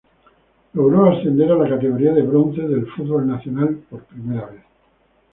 Logró ascender a la categoría de bronce del fútbol nacional por primera vez.